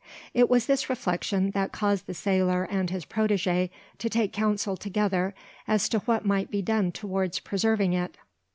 It was this reflection that caused the sailor and his protege to take counsel together as to what might be done towards preserving it.